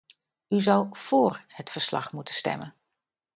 U zou vóór het verslag moeten stemmen!